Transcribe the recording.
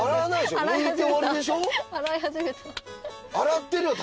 洗い始めた。